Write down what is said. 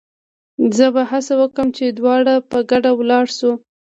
زه به هڅه وکړم چې دواړه په ګډه ولاړ شو.